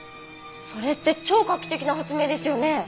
それって超画期的な発明ですよね？